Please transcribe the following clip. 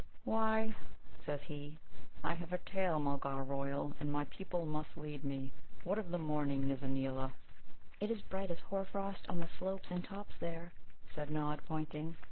"Why," says he, "I have a tail, Mulgar royal; and my people must lead me.... What of the morning, Nizza neela?" "It is bright as hoarfrost on the slopes and tops there," said Nod, pointing.